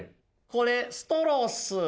「これストローっす」。